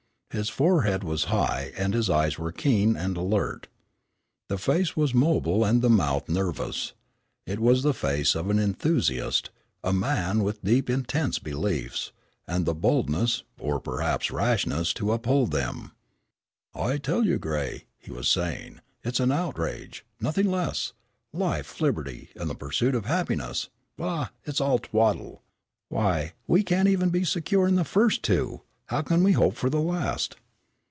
His forehead was high and his eyes were keen and alert. The face was mobile and the mouth nervous. It was the face of an enthusiast, a man with deep and intense beliefs, and the boldness or, perhaps, rashness to uphold them. "I tell you, Gray," he was saying, "it's an outrage, nothing less. Life, liberty, and the pursuit of happiness. Bah! It's all twaddle. Why, we can't even be secure in the first two, how can we hope for the last?"